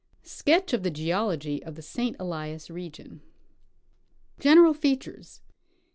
SKETCH OF THE GEOLOGY OF THE ST. ELIAS REGION. General Features.